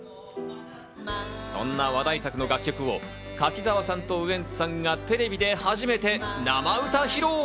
そんな話題作の楽曲を柿澤さんとウエンツさんがテレビで初めて生歌披露。